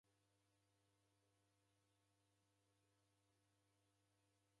Kilole chake chabarika.